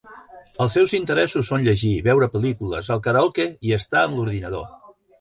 Els seus interessos són llegir, veure pel·lícules, el karaoke i estar amb l'ordinador.